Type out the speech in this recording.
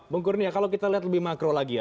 bung kure nih ya kalau kita lihat lebih makro lagi ya